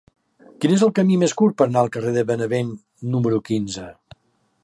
Quin és el camí més curt per anar al carrer de Benevent número quinze?